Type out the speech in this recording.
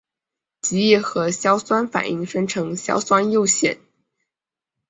极易和硝酸反应生成硝酸铀酰。